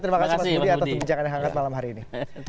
terima kasih mas budi atas perbincangan yang hangat malam hari ini